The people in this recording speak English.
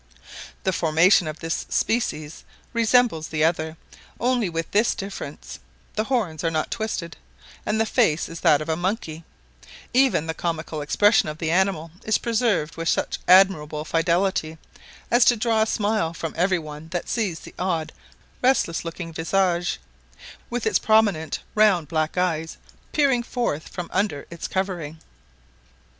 The formation of this species resembles the other, only with this difference, the horns are not twisted, and the face is that of a monkey; even the comical expression of the animal is preserved with such admirable fidelity, as to draw a smile from every one that sees the odd restless looking visage, with its prominent round black eyes peering forth from under its covering.